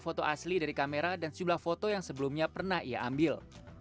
foto ini juga mengunggah file asli dari kamera dan jumlah foto yang sebelumnya pernah ia ambil